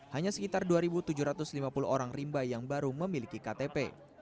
hanya sekitar dua tujuh ratus lima puluh orang rimba yang baru memiliki ktp